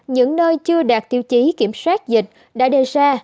những nơi chưa đạt tiêu chí kiểm soát dịch đã đề ra